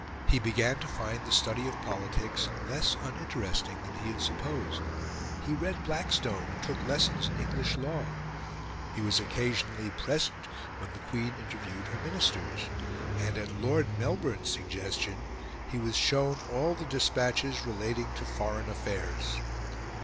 He began to find the study of politics less uninteresting than he had supposed; he read Blackstone, and took lessons in English Law; he was occasionally present when the Queen interviewed her Ministers; and at Lord Melbourne's suggestion he was shown all the despatches relating to Foreign Affairs.